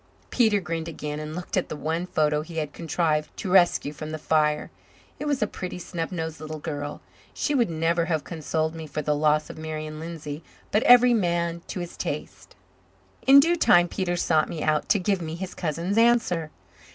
Peter grinned again and looked at the one photo he had contrived to rescue from the fire. It was a pretty, snub nosed little girl. She would never have consoled me for the loss of Marian Lindsay, but every man to his taste. In due time Peter sought me out to give me his cousin's answer.